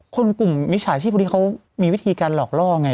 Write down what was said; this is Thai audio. คนกลุ่มวิชาชีพที่เขามีวิธีการหลอกล่อไง